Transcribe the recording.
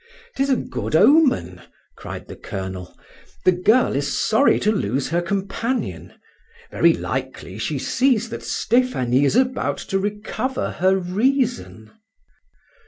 "'Tis a good omen," cried the colonel. "The girl is sorry to lose her companion. Very likely she sees that Stephanie is about to recover her reason."